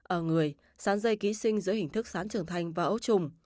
ở người sán dây ký sinh giữa hình thức sán trưởng thành và ấu trùng